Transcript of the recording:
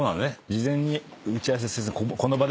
事前に打ち合わせせずこの場でってことか。